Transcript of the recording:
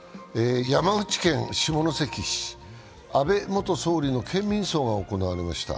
山口県下関市、安倍元総理の県民葬が行われました。